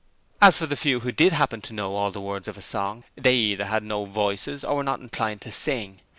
As for the few who did happen to know all the words of a song, they either had no voices or were not inclined to sing.